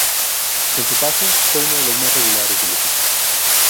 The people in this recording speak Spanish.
En su paso, fue uno de las más regulares del equipo.